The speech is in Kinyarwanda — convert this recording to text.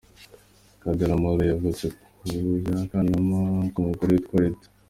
Cedella Marley yavutse ku ya Kanama , ku mugore witwa Rita ;.